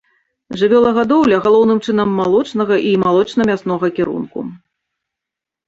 Жывёлагадоўля галоўным чынам малочнага і малочна-мяснога кірунку.